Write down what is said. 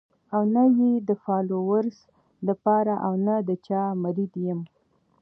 او نۀ ئې د فالوورز د پاره او نۀ د چا مريد يم